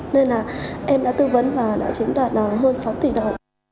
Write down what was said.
nên là em đã tư vấn và đã chứng đoạt là hơn sáu tỷ đồng